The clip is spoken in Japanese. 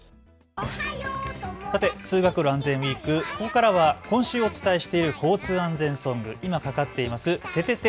さて通学路あんぜんウイーク、ここからは今週お伝えしてる交通安全ソング、今かかっていますててて！